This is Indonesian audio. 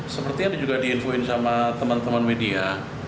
seperti yang juga diinfoin sama teman teman media